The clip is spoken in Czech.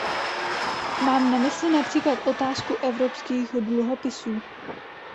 Mám na mysli například otázku evropských dluhopisů.